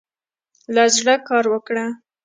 له زړۀ کار وکړه.